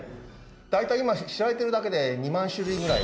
大体今知られているだけで２万種類ぐらい。